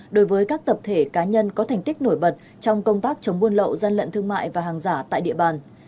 đối với các tập thể cá nhân có thành tích nổi bật trong công tác chống buôn lậu gian lận thương mại và hàng giả tại địa bàn